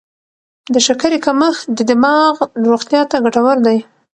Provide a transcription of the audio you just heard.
د شکرې کمښت د دماغ روغتیا ته ګټور دی.